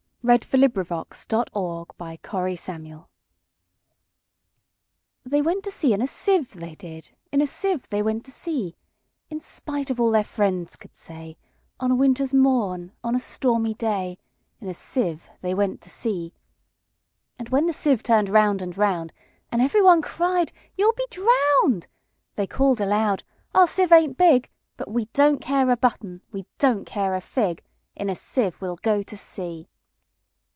Edward Lear 1812–88 The Jumblies Lear Edw THEY went to sea in a sieve, they did; In a sieve they went to sea; In spite of all their friends could say, On a winter's morn, on a stormy day, In a sieve they went to sea. And when the sieve turn'd round and round, And every one cried, "You 'll be drown'd!"They call'd aloud, "Our sieve ain't big:But we don't care a button; we don't care a fig:In a sieve we 'll go to sea!"